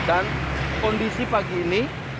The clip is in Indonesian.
dan kondisi pagi ini